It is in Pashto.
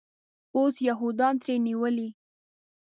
اوس یهودانو ترې نیولی.